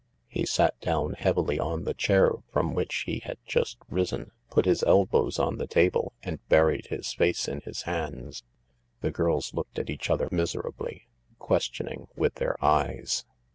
He sat down heavily on the chair from which he had just risen, put his elbows on the table and buried his face in his hands. The girls looked at each other miserably, questioning with their eyes.